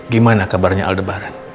gimana kabarnya aldebaran